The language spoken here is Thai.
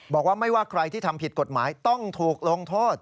บอกว่าไม่ว่าใครที่ทำผิดกฎหมายต้องถูกลงโทษ